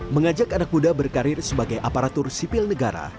mengajak anak muda berkarir sebagai aparatur sipil negara